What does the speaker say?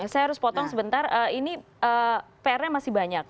saya harus potong sebentar ini pr nya masih banyak